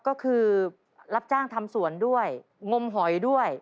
ก็คือรับจ้างทำสวนด้วยงมหอยด้วย